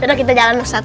yaudah kita jalan ustadz